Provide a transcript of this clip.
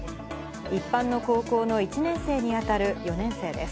一般の高校の１年生に当たる４年生です。